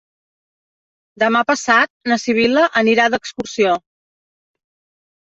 Demà passat na Sibil·la anirà d'excursió.